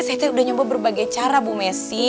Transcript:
saya t udah nyoba berbagai cara bu messi